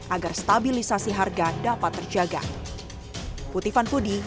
agar stabilisasi harga dapat terjaga